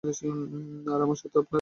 আর আমার সাথে আপনার।